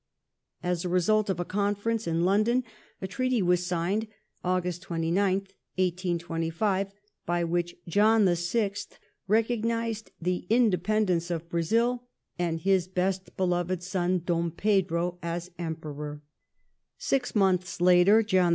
As a result of a conference in London a Treaty was signed (Aug. 29th, 1825), by which John VI. recognized the independence of Brazil, and " his best beloved son Dom Pedro as Emperor ". Six months later John VI.